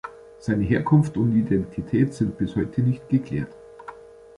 Seine Herkunft und Identität sind bis heute nicht geklärt.